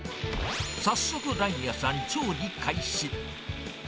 早速、ライヤさん、調理開始。